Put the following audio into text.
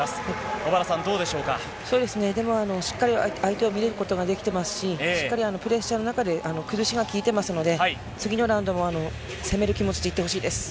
小原さん、でも、しっかり相手を見ることができていますし、しっかりプレッシャーの中で崩しが効いてますので、次のラウンドも攻める気持ちでいってほしいです。